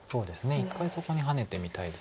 一回そこにハネてみたいです。